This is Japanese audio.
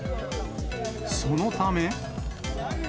そのため。